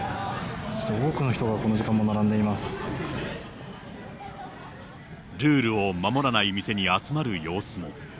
多くの人がこの時間も並んでいまルールを守らない店に集まる様子も。